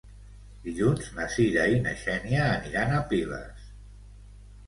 Dilluns na Sira i na Xènia aniran a Piles.